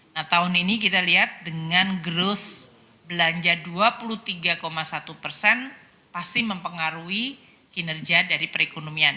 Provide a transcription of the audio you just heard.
nah tahun ini kita lihat dengan growth belanja dua puluh tiga satu persen pasti mempengaruhi kinerja dari perekonomian